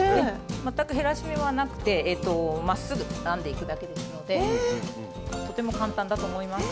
全く減らし目はなくてまっすぐ編んでいくだけですのでとても簡単だと思います。